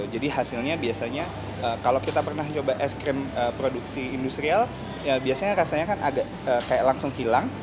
jadi hasilnya biasanya kalau kita pernah coba es krim produksi industrial biasanya rasanya kan agak kayak langsung hilang